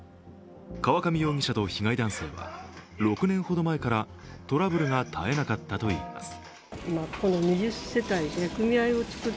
河上容疑者と被害男性は６年ほど前からトラブルが絶えなかったといいます。